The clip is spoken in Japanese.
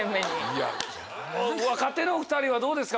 若手の２人はどうですか？